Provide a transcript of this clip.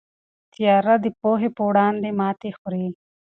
تیاره د پوهې په وړاندې ماتې خوري.